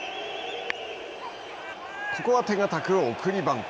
ここは手堅く送りバント。